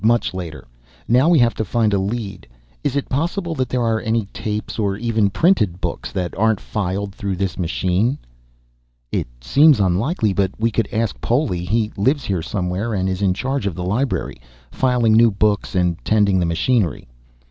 "Much later. Now we have to find a lead. Is it possible that there are any tapes or even printed books that aren't filed through this machine?" "It seems unlikely, but we could ask Poli. He lives here somewhere and is in charge of the library filing new books and tending the machinery."